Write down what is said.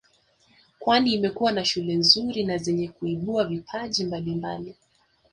Kwani imekuwa na shule nzuri na zenye kuibua vipaji mbalimbali